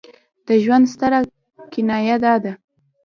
د ژوند ستره کنایه دا ده.